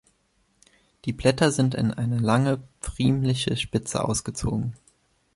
Die Blätter sind in eine lange pfriemliche Spitze ausgezogen.